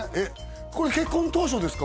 これ結婚当初ですか？